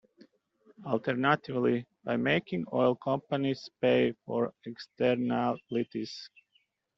Alternatively, by making oil companies pay for externalities.